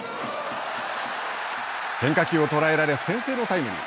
変化球を捉えられ先制のタイムリー。